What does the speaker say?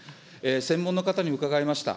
専門の方に伺いました。